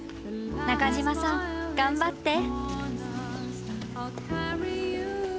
中島さん頑張って！